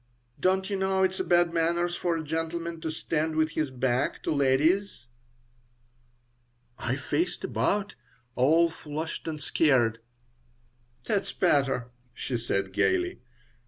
Don't you know it is bad manners for a gentleman to stand with his back to ladies?" I faced about, all flushed and scared "That's better," she said, gaily.